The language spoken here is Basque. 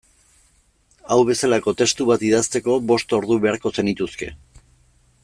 Hau bezalako testu bat idazteko bost ordu beharko zenituzke.